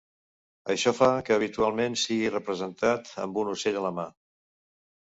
Això fa que habitualment sigui representat amb un ocell a la mà.